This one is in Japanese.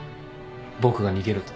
僕が逃げると。